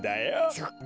そっか。